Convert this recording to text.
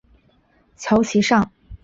求其上